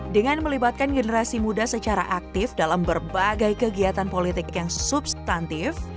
dengan melibatkan generasi muda secara aktif dalam berbagai kegiatan politik yang substantif